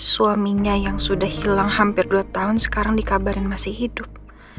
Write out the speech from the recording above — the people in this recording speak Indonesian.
suaminya yang sudah hilang hampir dua tahun sekarang dikabarin masih hidup